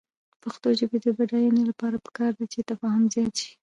د پښتو ژبې د بډاینې لپاره پکار ده چې تفاهم زیات شي.